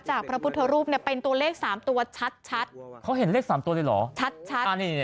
จากพรพุทธรูปเนี่ยเป็นตัวเลขสามตัวชัดเขาเห็นเลขสามตัวนึยหรอ